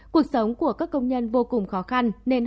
cuộc sống của các công nhân vô cùng khó khăn